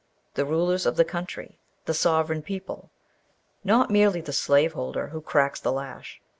The rulers of the country the sovereign people! Not merely the slaveholder who cracks the lash.